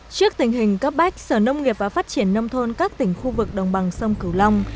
trước tình hình cấp bách sở nông nghiệp và phát triển nông thôn các tỉnh khu vực đồng bằng sông cửu long